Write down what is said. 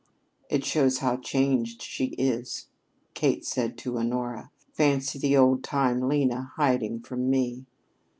"It shows how changed she is," Kate said to Honora. "Fancy the old time Lena hiding from me!"